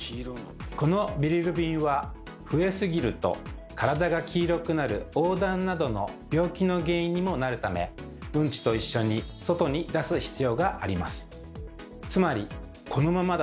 このビリルビンは増えすぎると体が黄色くなる黄疸などの病気の原因にもなるためうんちと一緒に外に出す必要があります。